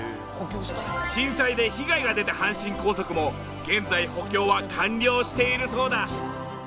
震災で被害が出た阪神高速も現在補強は完了しているそうだ。